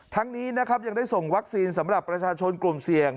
ทั้งนี้นะครับยังได้ส่งวัคซีนสำหรับประชาชนกลุ่มเสี่ยง